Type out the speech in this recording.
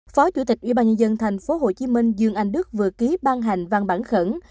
phó chủ tịch ủy ban nhân dân tp hcm dương anh đức vừa ký ban hành văn bản khẩn